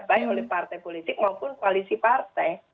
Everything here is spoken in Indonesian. baik oleh partai politik maupun koalisi partai